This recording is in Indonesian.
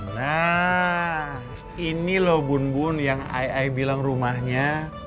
nah ini loh bun bun yang ai ai bilang rumahnya